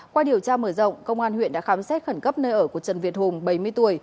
qua điều tra mở rộng công an huyện đã khám xét khẩn cấp nơi ở của trần việt hùng bảy mươi tuổi